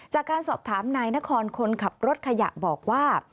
จากการสอบถามนายนครคนขับรถขยะบอกว่า